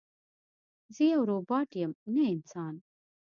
زه یو روباټ یم نه انسان